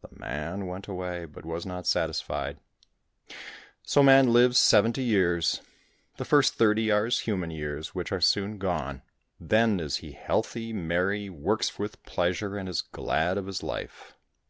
The man went away, but was not satisfied. So man lives seventy years. The first thirty are his human years, which are soon gone; then is he healthy, merry, works with pleasure, and is glad of his life.